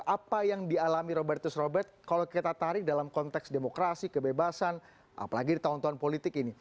apa yang dialami robertus robert kalau kita tarik dalam konteks demokrasi kebebasan apalagi di tahun tahun politik ini